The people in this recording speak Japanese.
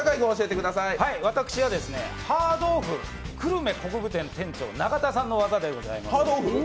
私は、ハードオフ久留米国分店店長の永田さんの技です。